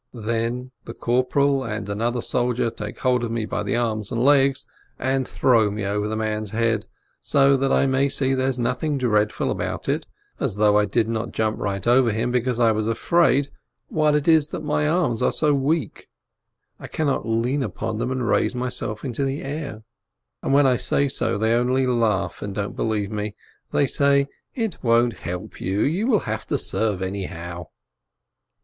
Then the corporal and another soldier take hold of me by the arms and legs, and throw me over the man's head, so that I may see there is nothing dreadful about it, as though I did not jump right over him because I was afraid, while it is that my arms are so weak, I cannot lean upon them and raise myself into the air. But when I say so, they only laugh, and don't be lieve me. They say, "It won't help you; you will have to serve anyhow